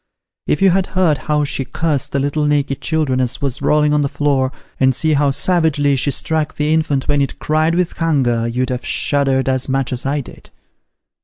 If you had heard how she cursed the little naked children as was rolling on the floor, and seen how savagely she struck the infant when it cried with hunger, you'd have shuddered as much as I did.